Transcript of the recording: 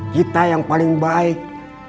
kita yang paling baik